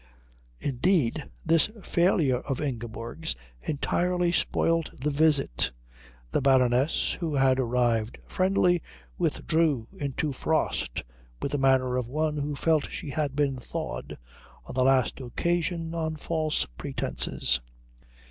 Indeed, this failure of Ingeborg's entirely spoilt the visit. The Baroness, who had arrived friendly, withdrew into frost with the manner of one who felt she had been thawed on the last occasion on false pretences.